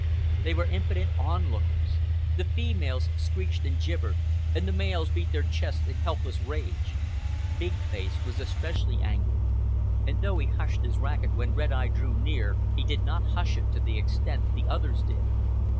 They were impotent onlookers. The females screeched and gibbered, and the males beat their chests in helpless rage. Big Face was especially angry, and though he hushed his racket when Red Eye drew near, he did not hush it to the extent the others did.